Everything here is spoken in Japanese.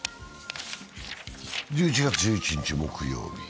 １１月１１日、木曜日。